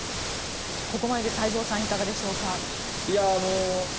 ここまでで太蔵さんいかがでしょうか。